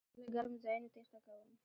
زه له ګرمو ځایونو تېښته کوم.